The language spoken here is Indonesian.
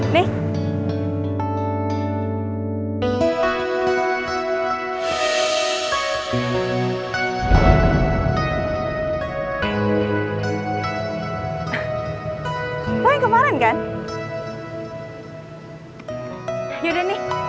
makasih ibu juga lagi pulang